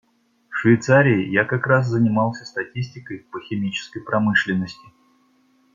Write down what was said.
В Швейцарии я как раз занимался статистикой по химической промышленности.